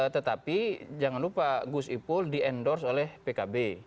tetapi jangan lupa gus ipul di endorse oleh pkb